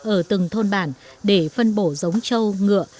ở từng thôn bản để phân bổ giống trâu ngựa